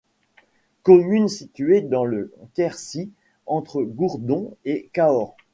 Commune située dans le Quercy entre Gourdon et Cahors.